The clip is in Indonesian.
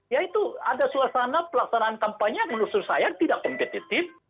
yaitu ada suasana pelaksanaan kampanye menurut saya tidak kompetitif